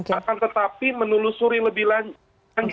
akan tetapi menelusuri lebih lanjut